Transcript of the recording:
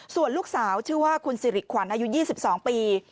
ส่วนลูกสาวชื่อว่าคุณสิริขวัญอายุ๒๒ปี